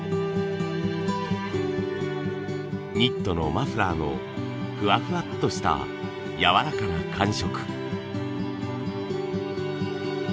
ニットのマフラーのふわふわっとした柔らかな感触。